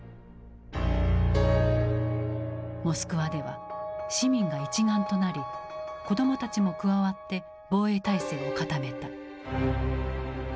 モスクワでは市民が一丸となり子どもたちも加わって防衛体制を固めた。